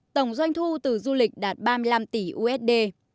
tổng doanh thu từ du lịch đạt ba mươi năm tỷ usd